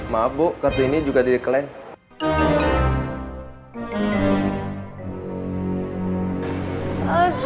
maaf bu kartu ini juga di decline